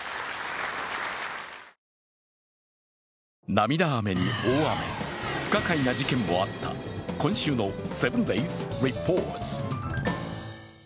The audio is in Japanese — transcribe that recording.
涙雨に大雨、不可解な事件もあった今週の「７ｄａｙｓリポート」。